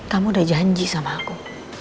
kamu udah janji sama aku